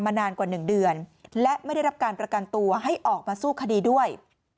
นานกว่า๑เดือนและไม่ได้รับการประกันตัวให้ออกมาสู้คดีด้วย